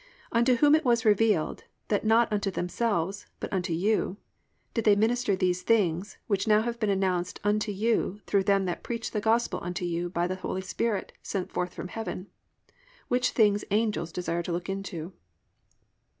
Unto whom it was revealed, that not unto themselves, but unto you, did they minister these things which now have been announced unto you through them that preached the Gospel unto you by the Holy Spirit sent forth from Heaven; which things angels desire to look into."